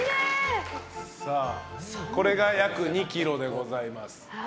これが約２ｋｇでございます。